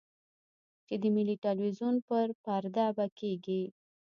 چې د ملي ټلویزیون پر پرده به کېږي.